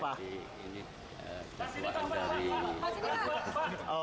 pas ini kan pak